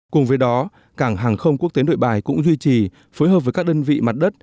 cùng với đó cảng hàng không quốc tế nội bài cũng duy trì phối hợp với các đơn vị mặt đất